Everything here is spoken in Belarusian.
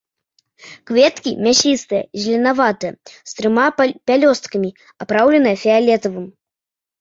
Кветкі мясістыя, зеленаватыя, з трыма пялёсткамі, апраўлены фіялетавым.